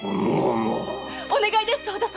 お願いです！